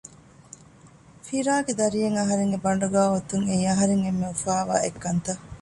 ފިރާގެ ދަރިއެއް އަހަރެންގެ ބަނޑުގައި އޮތުން އެއީ އަހަރެން އެންމެ އުފާވާ އެއްކަންތައް